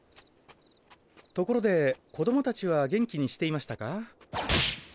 ところで子ども達は元気にしていましたか？